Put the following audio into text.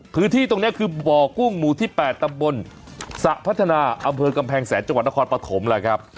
พื้นที่ตรงนี้คือบ่อกุ้งหมู่ที่๘ตำบลสระพัฒนาอำเภอกำแพงแสนจังหวัดนครปฐมแหละครับ